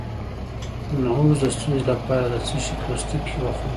د نعوظ د ستونزې لپاره د څه شي پوستکی وخورم؟